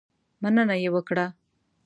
مننه یې وکړه.